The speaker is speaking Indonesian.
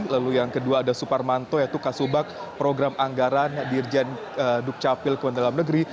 lalu yang kedua ada suparmanto yaitu kasubag program anggaran dirjen dukcapil kementerian dalam negeri